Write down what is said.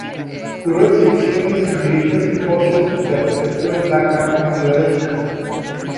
Curó exhibiciones y dirigió simposios de arquitectura en Daca, Bangladesh.